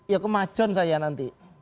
ya kemajon saya nanti